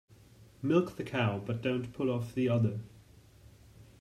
Milk the cow but don't pull off the udder.